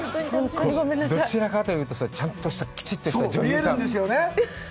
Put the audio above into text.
どちらかというとちゃんとしたきちっとした女優さん。